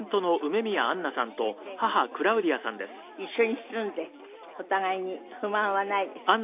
一緒に住んでお互いに不満はないですか？